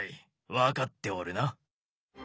分かっておるな？